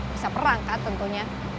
bisa perang kan tentunya